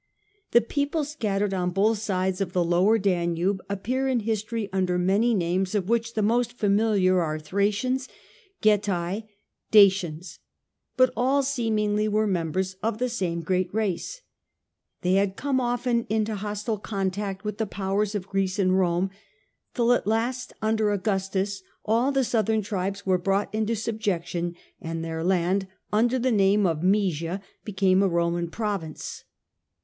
The people scattered on both needed on sides of the lower Danube appear in history Danube, under many names, of which the most familiar are Thracians, Getae, Dacians ; but all seemingly were mem bers of the same great race. They had come often into hostile contact with the powers of Greece and Rome, till at last, under Augustus, all the southern tribes were brought into subjection, and their land, under the name of Moesia, became a Roman province.